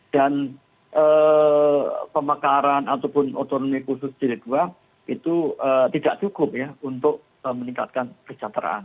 dan pemakaran ataupun otonomi khusus jilid buang itu tidak cukup untuk meningkatkan kejateraan